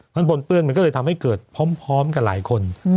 มันปนเปื้อนมันก็เลยทำให้เกิดพร้อมกับหลายคน